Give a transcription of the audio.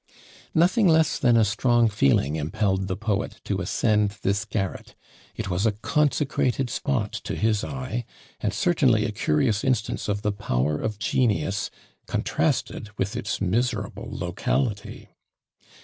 Nothing less than a strong feeling impelled the poet to ascend this garret it was a consecrated spot to his eye; and certainly a curious instance of the power of genius contrasted with its miserable locality!